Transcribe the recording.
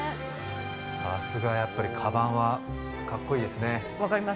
さすがやっぱりカバンはかっこいいですね